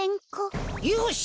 よし！